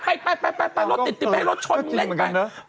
ไปรถติดเป็นแบบรถชนเล่นไป